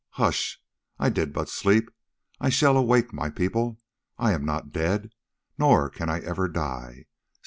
Hush! I did but sleep. I shall awake, my people! I am not dead, nor can I ever die.